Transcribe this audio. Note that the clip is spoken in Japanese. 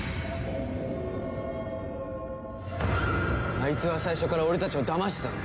アイツは最初から俺たちをだましてたんだ！